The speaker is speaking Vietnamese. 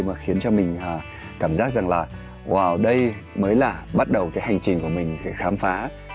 mà khiến cho mình cảm giác rằng là wow đây mới là bắt đầu cái hành trình của mình khám phá